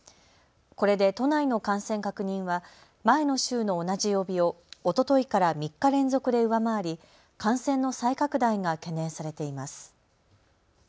これで都内の感染確認は前の週の同じ曜日をおとといから３日連続で上回り感染の再拡大が懸念されています。